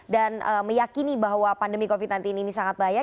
dan meyakini bahwa pandemi covid sembilan belas ini sangat bahaya